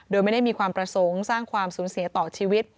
โดยไม่ได้มีความประสงค์สร้างความสูญเสียต่อชีวิต